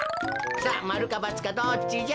さあまるかばつかどっちじゃ？